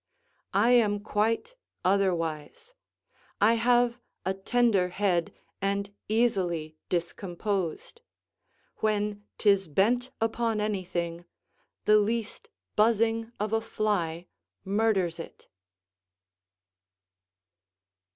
I am quite otherwise; I have a tender head and easily discomposed; when 'tis bent upon anything, the least buzzing of a fly murders it.